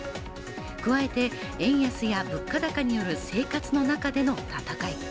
加えて、円安や物価高による生活の中での戦い。